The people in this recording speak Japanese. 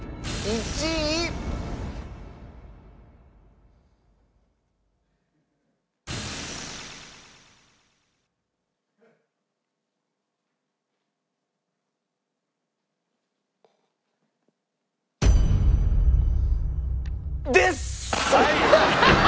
１位です！